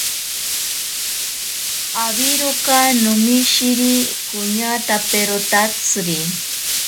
Awiroka nomishiri koñatakoperotatsiri.